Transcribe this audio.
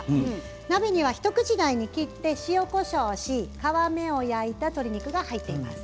鍋には一口大に切って塩、こしょうをして皮目を焼いた鶏肉が入っています。